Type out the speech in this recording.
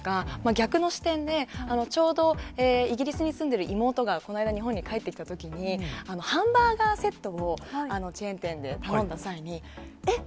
逆の視点で、ちょうど、イギリスに住んでいる妹が、この間、日本に帰ってきたときに、ハンバーガーセットをチェーン店で頼んだ際に、えっ？